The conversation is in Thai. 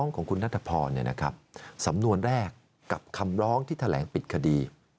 ของคุณนัทพรสำนวนแรกกับคำร้องที่แถลงปิดคดี